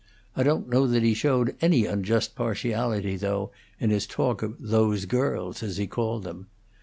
I don't know that he showed any unjust partiality, though, in his talk of 'those girls,' as he called them.